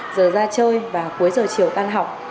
giờ ra chơi và cuối giờ chiều tan học